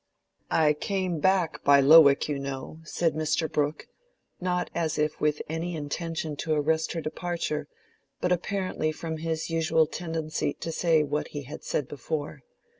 "I came back by Lowick, you know," said Mr. Brooke, not as if with any intention to arrest her departure, but apparently from his usual tendency to say what he had said before.